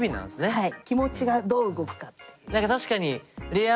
はい。